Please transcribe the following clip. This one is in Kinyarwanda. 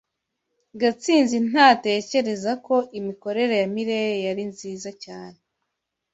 Gatsinzi ntatekereza ko imikorere ya Mirelle yari nziza cyane.